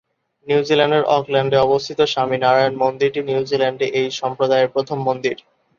নিউজিল্যান্ডের অকল্যান্ডে অবস্থিত স্বামীনারায়ণ মন্দিরটি নিউজিল্যান্ডে এই সম্প্রদায়ের প্রথম মন্দির।